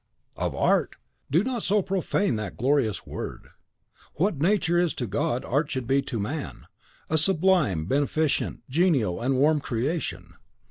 "Of ART! Do not so profane that glorious word. What Nature is to God, art should be to man, a sublime, beneficent, genial, and warm creation.